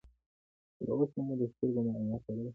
تر اوسه مو د سترګو معاینه کړې ده؟